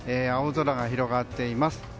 青空が広がっています。